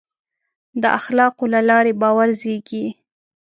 د اخلاقو له لارې باور زېږي.